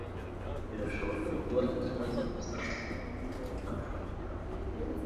Birashobora kuba ikibazo gusa kumacomeka.